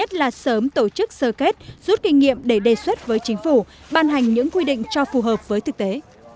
ấm tổ chức sơ kết rút kinh nghiệm để đề xuất với chính phủ bàn hành những quy định cho phù hợp với thực tế